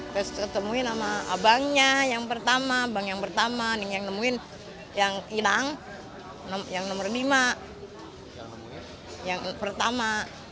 terus ketemuin sama abangnya yang pertama abang yang pertama yang ilang yang nomor lima yang pertama